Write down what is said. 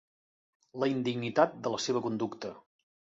La indignitat de la seva conducta.